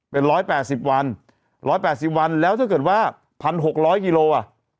เป็นร้อยแปดสิบวันร้อยแปดสิบวันแล้วถ้าเกิดว่าพันหกร้อยกิโลอ่ะ